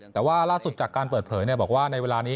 แต่ว่าล่าสุดจากการเปิดเผยบอกว่าในเวลานี้